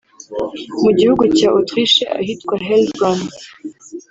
Mu gihugu cya Autriche ahitwa Hellbrun